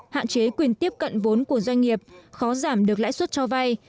hạn chế quyền tiếp cận vốn của doanh nghiệp khó giảm được lãi suất cho vay